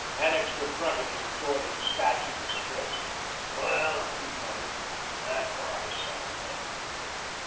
Annixter grunted as he tore the despatch into strips. "Well," he muttered, "that part is settled, then."